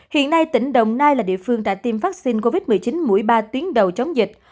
hiện nay tỉnh đồng nai là địa phương đã tiêm vaccine covid một mươi chín mũi ba tuyến đầu chống dịch